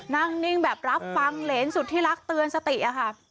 นิ่งแบบรับฟังเหรนสุดที่รักเตือนสติอะค่ะ